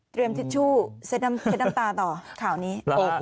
เตรียมทิชชู่เซตน้ำตาต่อข่าวนี้